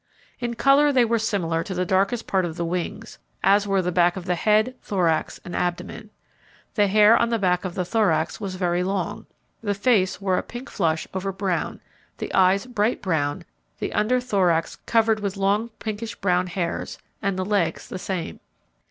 In colour they were similar to the darkest part of the wings, as were the back of the head, thorax and abdomen. The hair on the back of the thorax was very long. The face wore a pink flush over brown, the eyes bright brown, the under thorax covered with long pinkish brown hairs, and the legs the same.